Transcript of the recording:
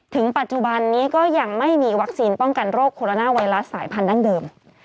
ถึงปัจจุบันนี้ก็ยังไม่มีวัคซีนป้องกันโรคโคโรนาไวรัสสายพันธั้งเดิม